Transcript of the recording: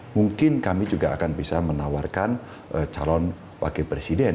mungkin kami juga akan bisa menawarkan calon wakil presiden